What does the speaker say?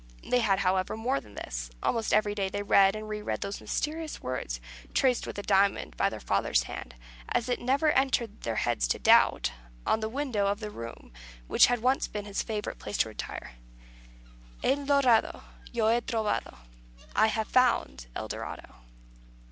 They had, however, more than this. Almost every day they read and re read those mysterious words, traced with a diamond by their father's hand as it never entered their heads to doubt on the window of the room which had once been his favourite place of retirement: "El Dorado Yo hé trovado." "I have found El Dorado."